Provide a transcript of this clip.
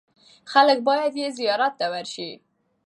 خلک باید یې زیارت ته ورسي.